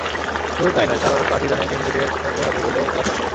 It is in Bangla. শুধু তা-ই নয়, তাঁর অবস্থা আর্টিজানের জিম্মিদের মতো হবে বলেও তারা শাসায়।